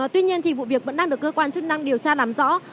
tuy nhiên vụ việc vẫn đang được cơ quan chức năng điều tra làm rõ